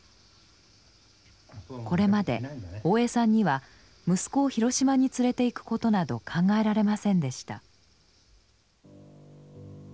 これまで大江さんには息子を広島に連れて行くことなど考えられませんでした。